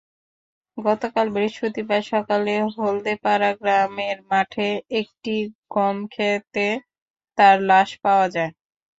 গতকাল বৃহস্পতিবার সকালে হলদেপাড়া গ্রামের মাঠে একটি গমখেতে তাঁর লাশ পাওয়া যায়।